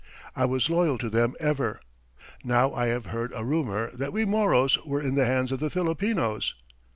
I was loyal to them ever. Now I have heard a rumour that we Moros are in the hands of the Filipinos....